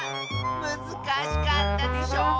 むずかしかったでしょう？